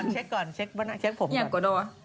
เช็คก่อนเช็คก่อนเช็คผมก่อน